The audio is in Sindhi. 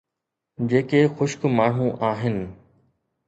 جيڪي خشڪ ماڻهو آهن.